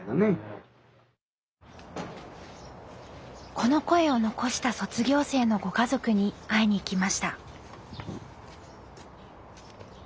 この声を残した卒業生のご家族に会いに行きました。